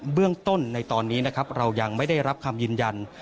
เบื้องต้นในตอนนี้นะครับเรายังไม่ได้รับคำยืนยัน